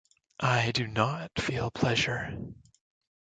I do not feel pleasure.